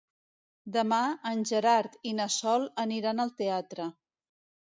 Demà en Gerard i na Sol aniran al teatre.